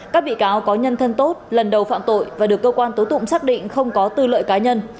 các bị cáo có nhân thân tốt lần đầu phạm tội và được cơ quan tố tụng xác định không có tư lợi cá nhân